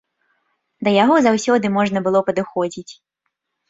Да яго заўсёды можна было падыходзіць.